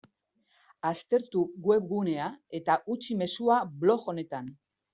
Aztertu webgunea eta utzi mezua blog honetan.